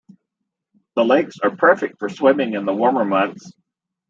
The lakes are perfect for swimming in the warmer months.